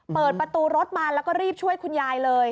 เปิดประตูรถมาแล้วก็รีบช่วยคุณยายเลย